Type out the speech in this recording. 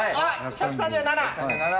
１３７。